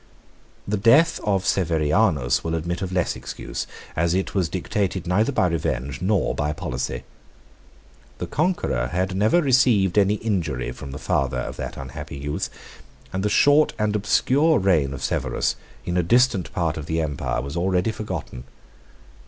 The death of Severianus will admit of less excuse, as it was dictated neither by revenge nor by policy. The conqueror had never received any injury from the father of that unhappy youth, and the short and obscure reign of Severus, in a distant part of the empire, was already forgotten.